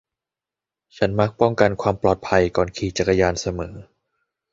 ฉันมักป้องกันความปลอดภัยก่อนขี่จักรยานเสมอ